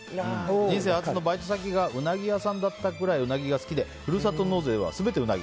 人生初のバイト先がウナギ屋さんだったくらいウナギが好きでふるさと納税は全てウナギ。